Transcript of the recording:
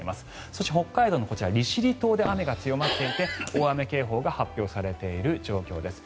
そして、北海道も利尻島で雨が強まっていて大雨警報が発表されている状況です。